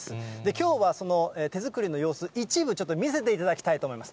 きょうはその手作りの様子、一部ちょっと見せていただきたいと思います。